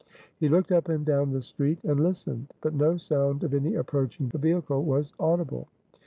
He looked up and down the street, and listened; but no sound of any approaching vehicle was audible.